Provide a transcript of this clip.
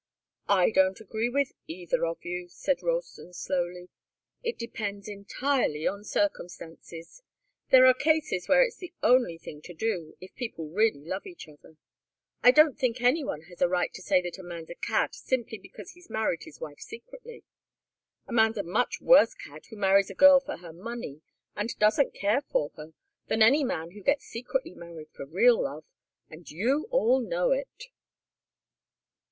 "I don't agree with either of you," said Ralston, slowly. "It depends entirely on circumstances. There are cases where it's the only thing to do, if people really love each other. I don't think any one has a right to say that a man's a cad simply because he's married his wife secretly. A man's a much worse cad who marries a girl for her money, and doesn't care for her, than any man who gets secretly married for real love and you all know it."